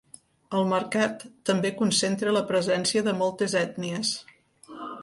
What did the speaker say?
El mercat també concentra la presència de moltes ètnies.